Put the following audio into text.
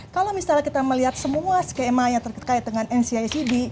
kalau misalnya kita melihat semua skema yang terkait dengan ncicd